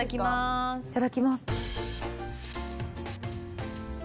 いただきます。